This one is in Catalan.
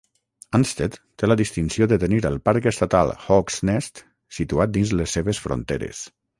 Ansted té la distinció de tenir el parc estatal Hawk's Nest situat dins les seves fronteres.